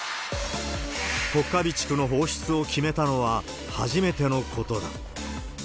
国家備蓄の放出を決めたのは、初めてのことだ。